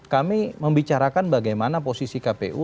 kami membicarakan bagaimana posisi kpu